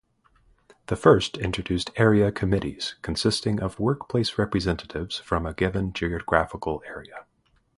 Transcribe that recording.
The first introduced area committees, consisting of workplace representatives from a given geographical area.